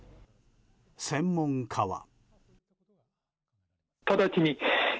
専門家は。